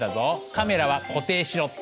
「カメラは固定しろ」って。